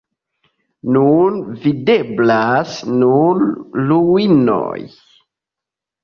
Nun videblas nur ruinoj.